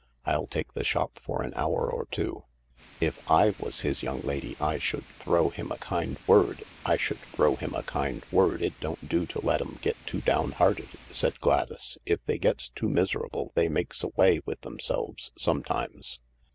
I'll take the shop for an hour or two." "HI was his young lady I should throw him a kind s 274 THE LARK word. I should throw him a kind word. It don't do to let 'em get too down hearted," said Gladys. " If they gets too miserable they makes away with themselves some times."